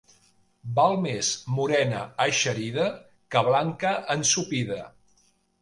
Val més morena eixerida que blanca ensopida.